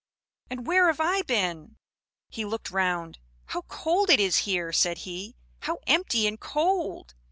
And where have I been?" He looked round him. "How cold it is here!" said he. "How empty and cold!"